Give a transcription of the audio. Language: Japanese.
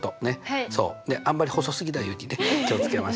あんまり細すぎないようにね気を付けましょう。